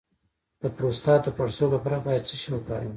د پروستات د پړسوب لپاره باید څه شی وکاروم؟